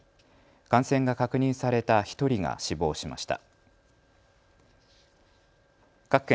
感染が確認された１人が死亡しました。